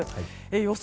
予想